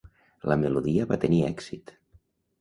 La melodia va tenir èxit.